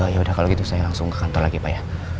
ya udah kalau gitu saya langsung ke kantor lagi pak ya